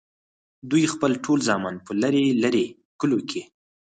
دوي خپل ټول زامن پۀ لرې لرې کلو کښې